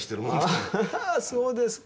ああそうですか。